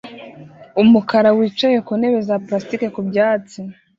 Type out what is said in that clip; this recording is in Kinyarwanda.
umukara wicaye ku ntebe za plastiki ku byatsi